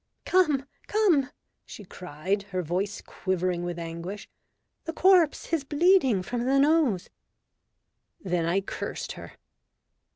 " Come, come !" she cried, her voice quivering with anguish, " the corpse is bleeding from the nose." Then I cursed her.